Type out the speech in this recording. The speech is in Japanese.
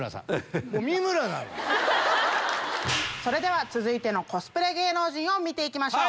それでは続いてのコスプレ芸能人見て行きましょう。